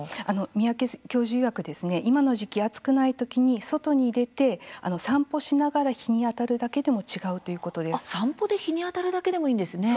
三宅教授いわくですね今の時期、暑くないときに外に出て散歩しながら日に当たるだけでも散歩で日に当たるだけでもいいんですね。